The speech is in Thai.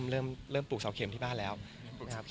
ก็มีไปคุยกับคนที่เป็นคนแต่งเพลงแนวนี้